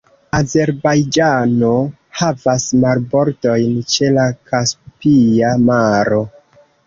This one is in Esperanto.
Azerbajĝano havas marbordojn ĉe la Kaspia Maro.